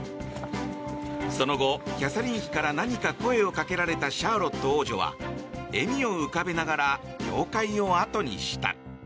その後、キャサリン妃から何か声をかけられたシャーロット王女は笑みを浮かべながら教会をあとにした。